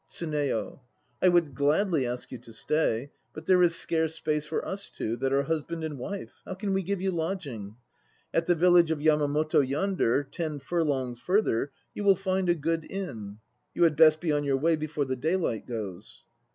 TSUNEYO. I would gladly ask you to stay, but there is scarce space for us two, that are husband and wife. How can we give you lodging? At the village of Yamamoto yonder, ten furlongs further, you will find a good inn. You had best be on your way before the daylight goes.